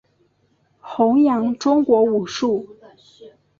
宏杨中国武术。